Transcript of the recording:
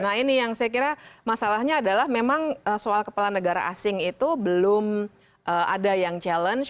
nah ini yang saya kira masalahnya adalah memang soal kepala negara asing itu belum ada yang challenge